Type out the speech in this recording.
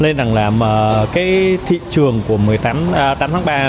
nên thị trường của tám tháng ba